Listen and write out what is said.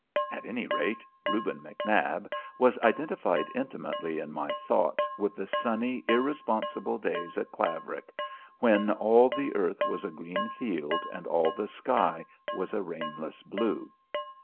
At any rate, Reuben McNab was identified intimately in my thought with the sunny irresponsible days at Claverack, when all the earth was a green field and all the sky was a rainless blue.